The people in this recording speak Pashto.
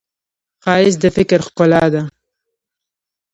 ښایست د فکر ښکلا ده